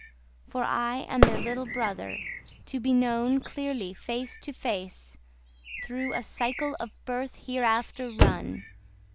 For I am their little brother, To be known clearly face to face Through a cycle of birth hereafter run.